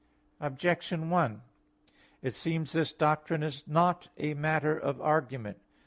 Objection 1: It seems this doctrine is not a matter of argument.